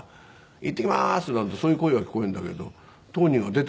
「いってきます」なんてそういう声は聞こえるんだけど当人が出てこないからね。